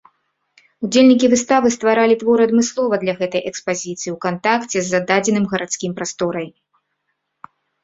Удзельнікі выставы стваралі творы адмыслова для гэтай экспазіцыі, у кантакце з зададзеным гарадскім прасторай.